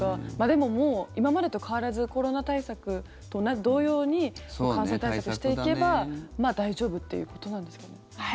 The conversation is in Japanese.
でももう、今までと変わらずコロナ対策と同様に感染対策していけば大丈夫ということなんですかね。